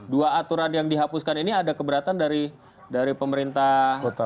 dua aturan yang dihapuskan ini ada keberatan dari pemerintah